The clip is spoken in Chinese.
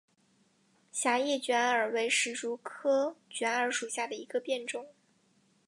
狭叶卷耳为石竹科卷耳属下的一个变种。